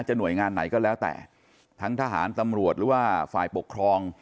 หน่วยงานไหนก็แล้วแต่ทั้งทหารตำรวจหรือว่าฝ่ายปกครอง